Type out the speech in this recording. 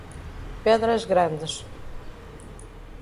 Pedras Grandes